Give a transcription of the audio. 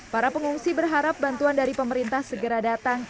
para pengungsi berharap bantuan dari pemerintah segera datang